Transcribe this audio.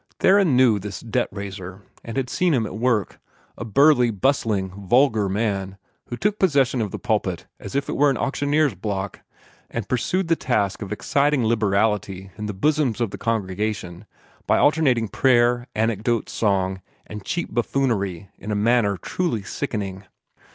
Theron knew this "debt raiser," and had seen him at work a burly, bustling, vulgar man who took possession of the pulpit as if it were an auctioneer's block, and pursued the task of exciting liberality in the bosoms of the congregation by alternating prayer, anecdote, song, and cheap buffoonery in a manner truly sickening.